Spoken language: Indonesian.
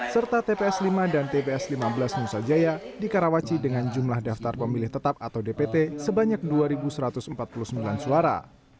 serta tps lima dan tps lima belas nusa jaya di karawaci dengan jumlah daftar pemilih tetap atau dpt sebanyak dua satu ratus empat puluh sembilan suara